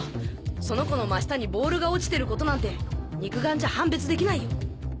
その子の真下にボールが落ちてることなんて肉眼じゃ判別できないよ。